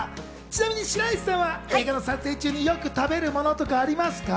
ちなみに白石さんは映画の撮影中によく食べるものとかありますか？